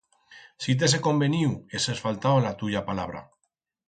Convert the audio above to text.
Si t'hese conveniu, heses faltau a la tuya palabra.